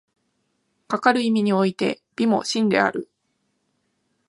かかる意味において美も真である。